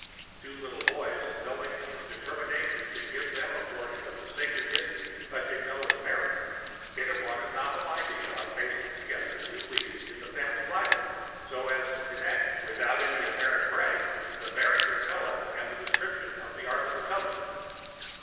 Two little boys, knowing his determination to give them a portion of the sacred history touching Noah's marriage, hit upon the novel idea of pasting together two leaves in the family Bible so as to connect, without any apparent break,[Pg 137] the marriage of Noah and the description of the Ark of the Covenant.